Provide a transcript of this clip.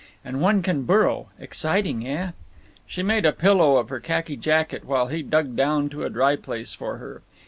And one can burrow. Exciting, eh?" She made a pillow of her khaki jacket, while he dug down to a dry place for her.